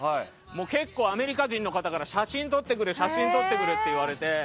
結構、アメリカ人の方から写真撮ってくれって言われて。